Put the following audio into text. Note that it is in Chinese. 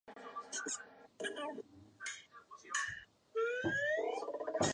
泷之泽号志站石胜线上的号志站。